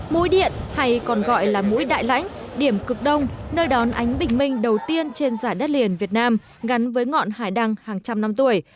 mũi điện hay còn gọi là mũi đại lãnh điểm cực đông nơi đón ánh bình minh đầu tiên trên giải đất liền việt nam gắn với ngọn hải đăng hàng trăm năm tuổi